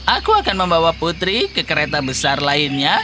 aku akan membawa putri ke kereta besar lainnya